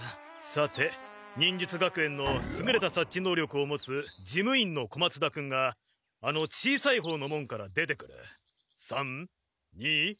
さて忍術学園のすぐれたさっちのうりょくを持つ事務員の小松田君があの小さい方の門から出てくる。